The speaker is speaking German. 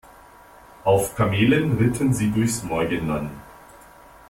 Auf Kamelen ritten sie durchs Morgenland.